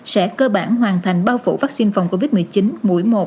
sẽ cơ bản hoàn thành bao phủ vaccine phòng covid một mươi chín mũi một